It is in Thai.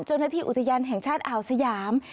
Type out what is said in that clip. เจ้าหน้าที่อุทยานแห่งชาติอ่าวสยาม